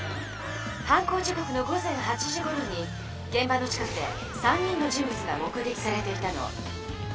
犯行時こくの午前８時ごろにげん場の近くで３人の人物が目げきされていたの。